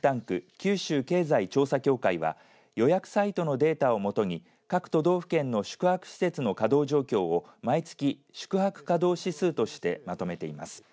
九州経済調査協会は予約サイトのデータを基に各都道府県の宿泊施設の稼働状況を毎月宿泊稼働指数としてまとめています。